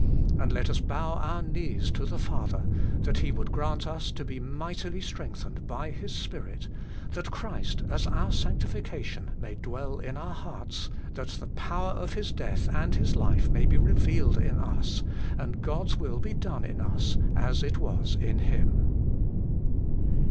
And let us bow our knees to the Father, that He would grant us to be mightily strengthened by His Spirit, that Christ as our Sanctification may dwell in our hearts, that the power of His death and His life may be revealed in us, and God's will be done in us as it was in Him.